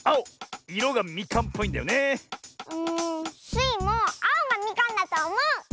スイもあおがみかんだとおもう！